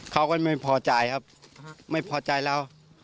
เขาก็ไม่พอใจครับไม่พอใจเรา